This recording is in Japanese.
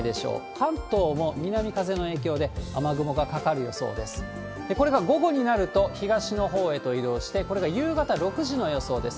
関東も南風の影響で雨雲がかかる予想です。